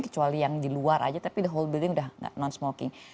kecuali yang di luar saja tapi the whole building sudah no smoking